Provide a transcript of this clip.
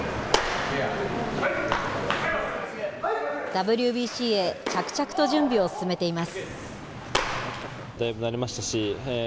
ＷＢＣへ、着々と準備を進めています。